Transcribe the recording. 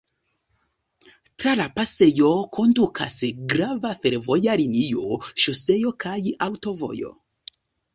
Tra la pasejo kondukas grava fervoja linio, ŝoseo kaj aŭtovojo.